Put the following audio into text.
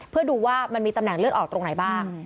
เพื่อดูว่ามันมีตำแหน่งเลือดออกตรงไหนบ้าง